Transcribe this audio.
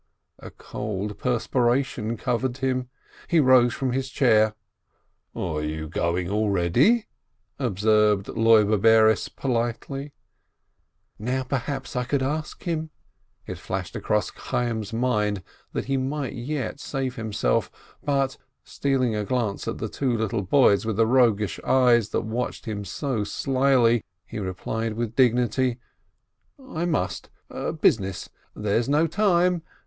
A cold perspiration covered him. He rose from his chair. "You are going already?" observed Loibe Bares, politely. "Now perhaps I could ask him!" It flashed across Chayyim's mind that he might yet save himself, but, stealing a glance at the two boys with the roguish eyes that watched him so slyly, he replied with dignity : "I must ! Business ! There is no time